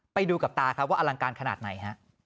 ไปดูกับตาครับว่าอลังการขนาดไหนฮะ